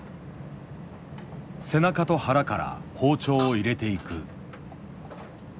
背中と腹から包丁を入れていく。